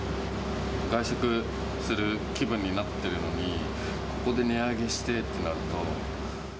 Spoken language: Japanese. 外食する気分になってるのに、ここで値上げしてってなると。